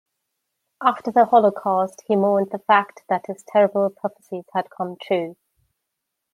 After the Holocaust, he mourned the fact that his terrible prophecies had come true.